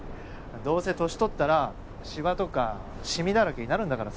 どうせ年取ったらシワとかシミだらけになるんだからさ。